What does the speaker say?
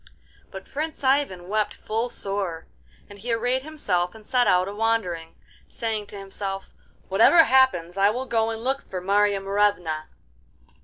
But Prince Ivan wept full sore, and he arrayed himself and set out a wandering, saying to himself, 'Whatever happens, I will go and look for Marya Morevna!